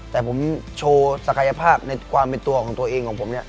แต่ผมโชว์ศักยภาพในความเป็นตัวของตัวเองของผมเนี่ย